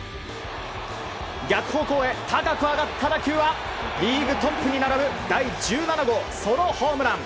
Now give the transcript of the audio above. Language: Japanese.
逆方向へ高く上がった打球はリーグトップに並ぶ第１７号のソロホームラン。